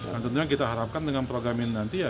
dan tentunya kita harapkan dengan program ini nanti ya